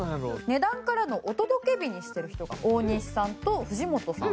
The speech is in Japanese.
値段からのお届け日にしてる人が大西さんと藤本さん。